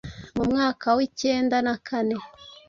mu mwaka w’ikenda na kane